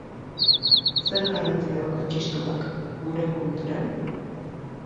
Zer garrantzi dauka txistuak guren kulturan?